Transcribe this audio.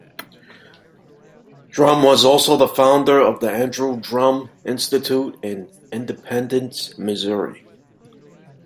Drumm was also the founder of the Andrew Drumm Institute in Independence Missouri.